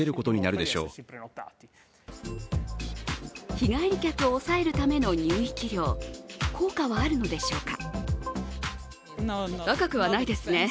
日帰り客を抑えるための入域料、効果はあるのでしょうか。